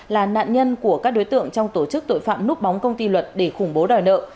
là nạn nhân của các đối tượng trong tổ chức tội phạm núp bóng công ty luật để khủng bố đòi nợ